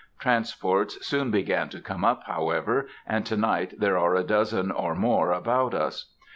Transports soon began to come up, however, and to night there are a dozen or more about us.